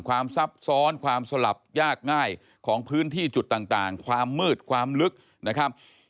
ซับซ้อนความสลับยากง่ายของพื้นที่จุดต่างความมืดความลึกนะครับ